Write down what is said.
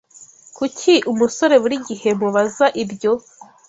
Kuki musore buri gihe mubaza ibyo?